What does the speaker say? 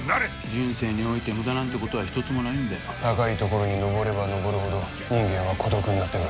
・人生において無駄なんてことは一つもないんだよ高い所にのぼればのぼるほど人間は孤独になってく